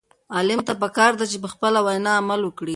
عالم ته پکار ده چې په خپله وینا عمل وکړي.